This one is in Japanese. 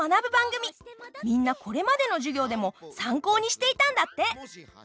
みんなこれまでの授業でも参考にしていたんだって。